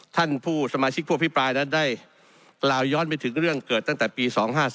ท่านผู้สมาชิกผู้อภิปรายนั้นได้กล่าวย้อนไปถึงเรื่องเกิดตั้งแต่ปี๒๕๔